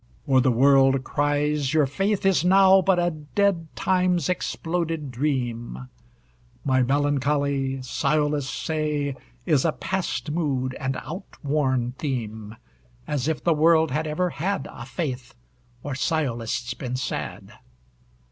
For the world cries your faith is now But a dead time's exploded dream; My melancholy, sciolists say, Is a passed mood, and outworn theme As if the world had ever had A faith, or sciolists been sad!